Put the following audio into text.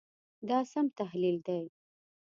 دا سم تحلیل دی.